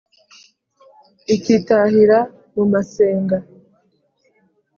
ikitahira mu masenga.